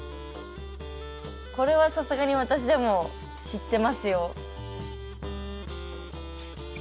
これはさすがに私でも知ってますよ。